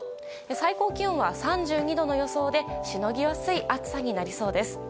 最高気温は３２度の予想でしのぎやすい暑さになりそうです。